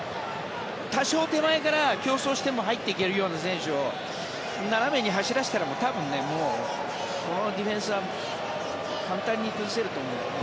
多少手前から競争しても入っていけるような選手を斜めに走らせたらこのディフェンスは簡単に崩せると思う。